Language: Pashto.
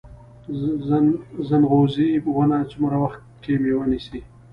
ځنغوزي ونه څومره وخت کې میوه نیسي؟